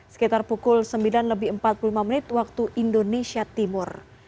sekitar pukul sembilan empat puluh lima waktu indonesia timur